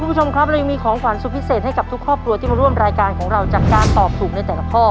คุณผู้ชมครับเรายังมีของขวัญสุดพิเศษให้กับทุกครอบครัวที่มาร่วมรายการของเราจากการตอบถูกในแต่ละข้อ